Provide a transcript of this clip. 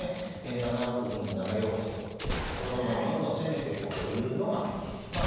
７六銀に７四歩と打ってこうどんどんどんどん攻めてこうというのがまあ